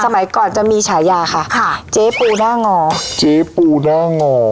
สมัยก่อนจะมีฉายาค่ะค่ะเจ๊ปูหน้างอเจ๊ปูหน้างอ